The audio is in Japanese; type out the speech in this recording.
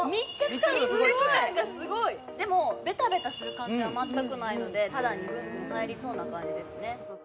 密着感がすごいでもベタベタする感じは全くないので肌にグングン入りそうな感じですね